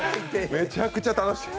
めちゃくちゃ楽しい。